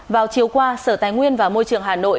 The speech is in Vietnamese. vào chiều qua sở tài nguyên và môi trường hà nội